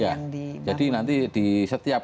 yang di jadi nanti di setiap